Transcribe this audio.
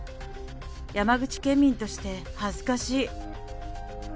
山口県民として恥ずかしい。